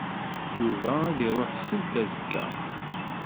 Yuba ad iṛuḥ seld azekka.